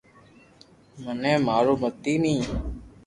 مني مارو متي ني